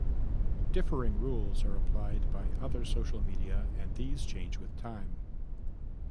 Differing rules are applied by other social media and these change with time.